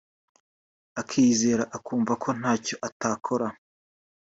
akiyizera akumva ko ntacyo atakora